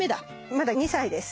まだ２歳です。